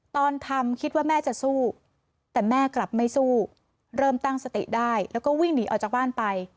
ตอนทำคิดว่าแม่จะสู้แต่แม่กลับไม่สู้เริ่มตั้งสติได้แล้วก็วิ่งหนีออกจากบ้านไป